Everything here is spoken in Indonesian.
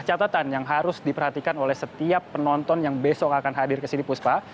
ada catatan yang harus diperhatikan oleh setiap penonton yang besok akan hadir ke sini puspa